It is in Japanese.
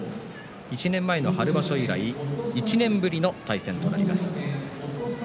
１年前の春場所以来１年ぶりの対戦となります。